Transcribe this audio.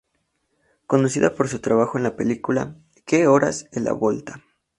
Conocida por su trabajo en la película "Que Horas Ela Volta?